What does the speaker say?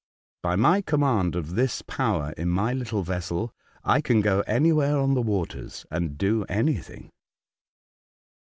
By my command of this power in my little vessel I can go anywhere on the waters, and do anything."